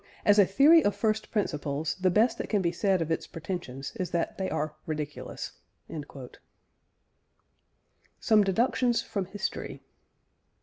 "As a theory of first principles, the best that can be said of its pretensions is that they are ridiculous." SOME DEDUCTIONS FROM HISTORY.